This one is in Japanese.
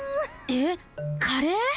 えっカレー！？